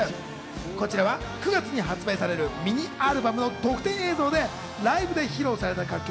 こちらは９月に発売されるミニアルバムの特典映像で、ライブで披露された楽曲